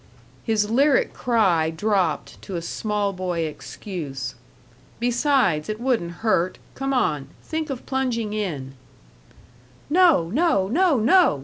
His lyric cry dropped to a small boy excuse: "Besides, it wouldn't hurt.... Come on. Think of plunging in." "No, no, no, no!"